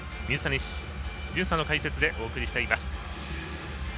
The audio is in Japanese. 水谷隼さんの解説でお送りしています。